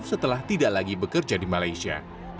setelah tidak lagi bekerja di malaysia